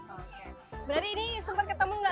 berarti ini sempat ketemu gak